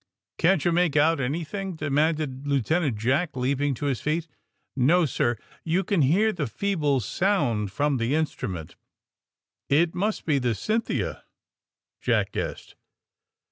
^^ Can't you make out anything?" demanded Lieutenant Jack, leaping to his feet. *^No, sir; you can hear the feeble sound from the instrument." ^*It must be the 'Cynthia,' " Jack guessed.